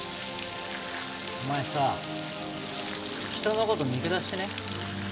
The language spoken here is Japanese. お前さ人のこと見下してね？